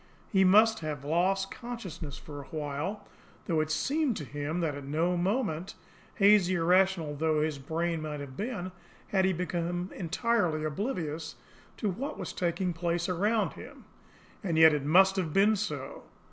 He must then have lost consciousness for a while, though it seemed to him that at no moment, hazy, irrational though his brain might have been, had he become entirely oblivious to what was taking place around him. And yet it must have been so!